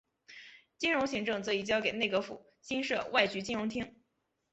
金融行政则移交给内阁府新设外局金融厅。